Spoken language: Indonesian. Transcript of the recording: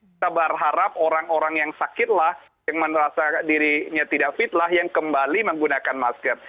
kita berharap orang orang yang sakit lah yang merasa dirinya tidak fitlah yang kembali menggunakan masker